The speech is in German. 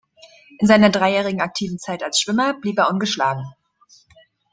In seiner dreijährigen aktiven Zeit als Schwimmer blieb er ungeschlagen.